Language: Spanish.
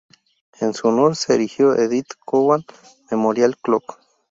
En su honor se erigió Edith Cowan Memorial Clock.